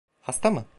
Hasta mı?